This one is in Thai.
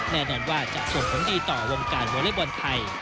แน่นอนว่าจะส่งผลดีต่อวงการวอเล็กบอลไทย